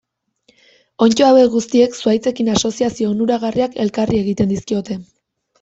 Onddo hauek guztiek zuhaitzekin asoziazio onuragarriak elkarri egiten dizkiote.